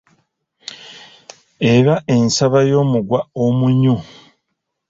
Eba ensamba y'omugwa omunnyu.